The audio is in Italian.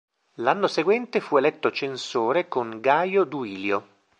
L'anno seguente fu eletto censore con Gaio Duilio.